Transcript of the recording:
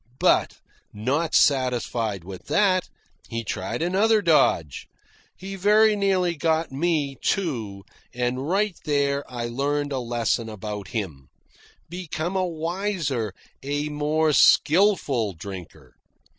But, not satisfied with that, he tried another dodge. He very nearly got me, too, and right there I learned a lesson about him became a wiser, a more skilful drinker.